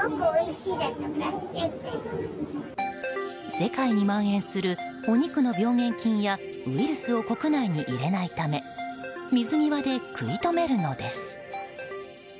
世界に蔓延するお肉の病原菌やウイルスを国内に入れないため水際で食い止めるのです。